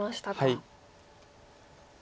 はい。